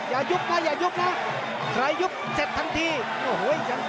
อย่ายกมาอย่ายกนะใครยกเสร็จทั้งทีโอ้โหไง